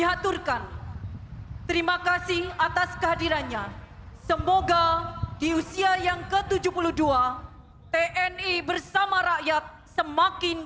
diaturkan terima kasih atas kehadirannya semoga di usia yang ke tujuh puluh dua tni bersama rakyat semakin